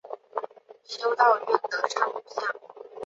修道院的圣母像。